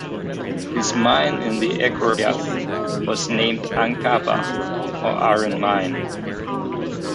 His mine in the Echoriath was named "Anghabar", or "Iron-Mine".